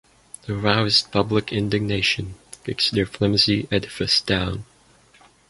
The roused public indignation kicks their flimsy edifice down.